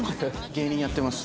芸人やってます。